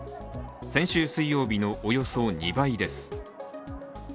先週水曜日のおよそ２倍です。